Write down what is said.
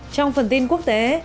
trong phần tin quốc tế